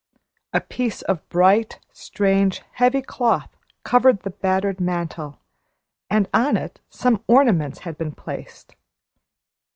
A piece of bright, strange, heavy cloth covered the battered mantel, and on it some ornaments had been placed.